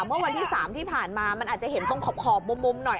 เมื่อวันที่๓ที่ผ่านมามันอาจจะเห็นตรงขอบมุมหน่อย